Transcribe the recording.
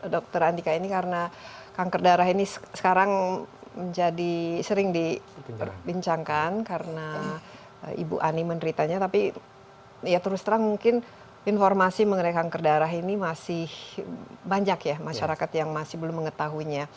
dokter andika ini karena kanker darah ini sekarang menjadi sering dibincangkan karena ibu ani menderitanya tapi ya terus terang mungkin informasi mengenai kanker darah ini masih banyak ya masyarakat yang masih belum mengetahuinya